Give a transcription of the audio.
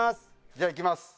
じゃあ行きます。